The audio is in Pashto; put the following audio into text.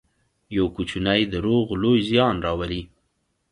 یو کوچنی دروغ لوی زیان راولي.